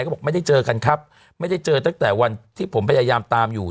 ก็บอกไม่ได้เจอกันครับไม่ได้เจอตั้งแต่วันที่ผมพยายามตามอยู่